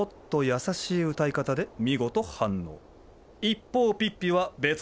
優しい歌い方で見事反応。